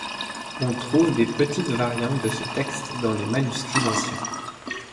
On trouve de petites variantes de ce texte dans des manuscrits anciens.